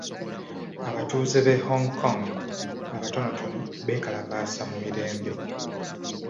Abatuuze b'e Hong Kong abatonotono beekalakaasa mu mirembe.